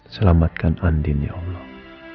selamatkan andin ya allah